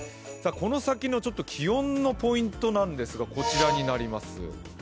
この先の気温のポイントですが、こちらになります。